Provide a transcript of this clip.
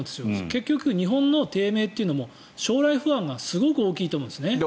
結局、日本の低迷というのも将来不安がすごく大きいと思うんですね。